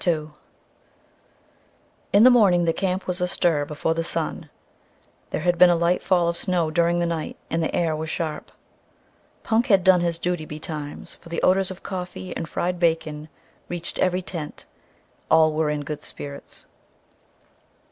II In the morning the camp was astir before the sun. There had been a light fall of snow during the night and the air was sharp. Punk had done his duty betimes, for the odors of coffee and fried bacon reached every tent. All were in good spirits.